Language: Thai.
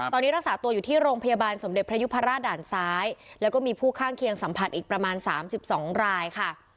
ตอนนี้รักษาตัวอยู่ที่โรงพยาบาลสมเด็จพระยุพราชด่านซ้ายแล้วก็มีผู้ข้างเคียงสัมผัสอีกประมาณ๓๒รายค่ะ